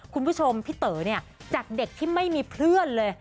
คุณผู้ชมของไปเต๋าจากเด็กที่ไม่มีเพื่อนนะ